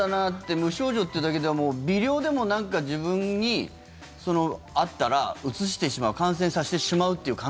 無症状ってだけで微量でも、なんか自分にあったらうつしてしまう感染させてしまうというはい。